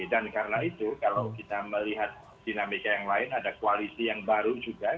dan karena itu kalau kita melihat dinamika yang lain ada koalisi yang baru juga